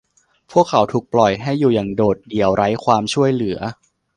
พวกเขาถูกปล่อยให้อยู่อย่างโดดเดี่ยวไร้ความช่วยเหลือ